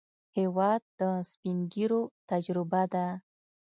هېواد د سپینږیرو تجربه ده.